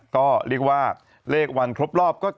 ก็เรียกว่าเลขวันครบรอบ